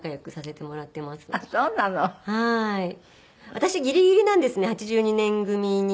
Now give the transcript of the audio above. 私ギリギリなんですね８２年組に入るのが。